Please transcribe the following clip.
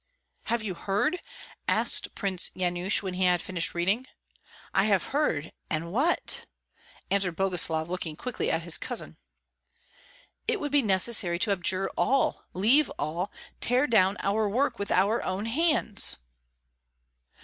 ' "Have you heard?" asked Prince Yanush, when he had finished reading. "I have heard and what?" answered Boguslav, looking quickly at his cousin. "It would be necessary to abjure all, leave all, tear down our work with our own hands."